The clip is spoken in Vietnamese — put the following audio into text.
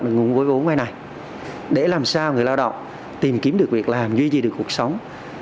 được nguồn gốc vốn vay này để làm sao người lao động tìm kiếm được việc làm duy trì được cuộc sống